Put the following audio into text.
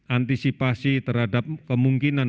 antisipasi terhadap kemungkinan